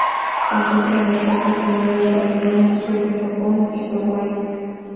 Se encuentra en las costas de Nueva Caledonia, sur de Japón y Hawái.